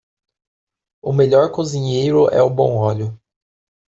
O melhor cozinheiro é o bom óleo.